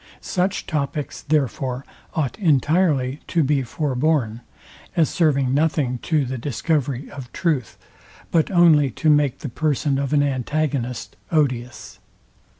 Such topics, therefore, ought entirely to be foreborn, as serving nothing to the discovery of truth, but only to make the person of an antagonist odious.